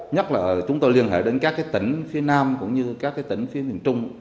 nhất là chúng tôi liên hệ đến các tỉnh phía nam cũng như các tỉnh phía miền trung